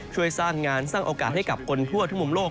ช่วยสร้างงานสร้างโอกาสให้กับคนทั่วทุกมุมโลก